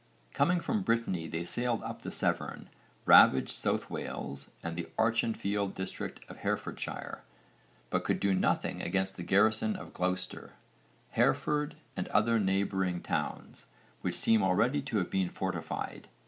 Coming from Brittany they sailed up the Severn, ravaged South Wales and the Archenfield district of Herefordshire, but could do nothing against the garrison of Gloucester, Hereford and other neighbouring towns, which seem already to have been fortified.